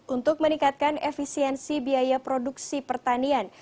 untuk meningkatkan efisiensi biaya produksi pertanian